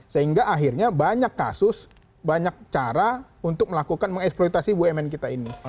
sehingga akhirnya banyak kasus banyak cara untuk melakukan mengeksploitasi bumn kita ini